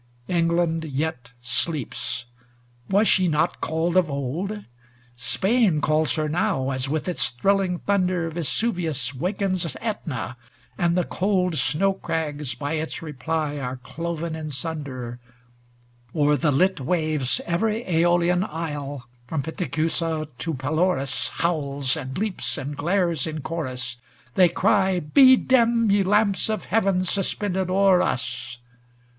XIII England yet sleeps: was she not called of old? Spain calls her now, as with its thrilling thunder Vesuvius wakens ^tna, and the cold Snow crags by its reply are cloven in sunder; O'er the lit waves every ^olian isle From Pithecusa to Pelorus Howls, and leaps, and glares in chorus; They cry, Be dim, ye lamps of heaven suspended o'er us